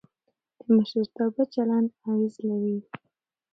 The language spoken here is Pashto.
د مشرتابه چلند اغېز لري